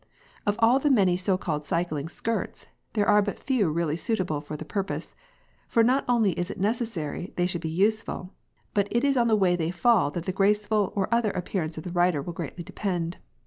Of all the many so called cycling "skirts," there are but few really suitable for the purpose, for not only is it necessary they should be useful, but it is on the way they fall that the graceful or other appearance of the rider will greatly depend.